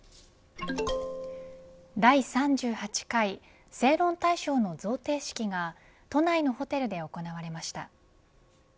第３８回正論大賞の贈呈式が都内のホテルで行われました。